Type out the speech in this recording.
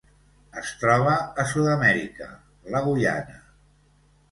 Es troba a Sud-amèrica: la Guyana.